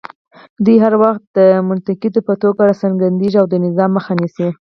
دوی هر وخت د منتقد په توګه راڅرګندېږي او د نظام مخه نیسي